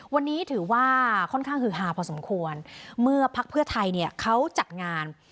วันนี้ถือว่าค่อนข้างฮือฮาพอสมควรเมื่อพักเพื่อไทยเนี่ยเขาจัดงาน